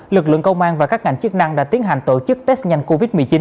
lực lượng công an và các ngành chức năng đã tiến hành tổ chức test nhanh covid một mươi chín